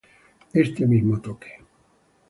Este mismo toque,